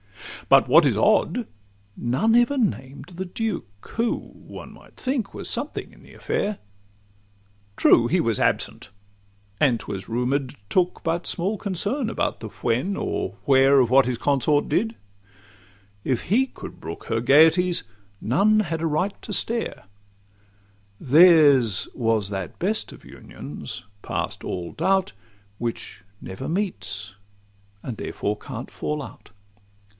But what is odd, none ever named the duke, Who, one might think, was something in the affair; True, he was absent, and, 'twas rumour'd, took But small concern about the when, or where, Or what his consort did: if he could brook Her gaieties, none had a right to stare: Theirs was that best of unions, past all doubt, Which never meets, and therefore can't fall out.